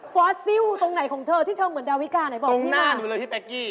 อสซิลตรงไหนของเธอที่เธอเหมือนดาวิกาไหนบอกตรงหน้าหนูเลยพี่เป๊กกี้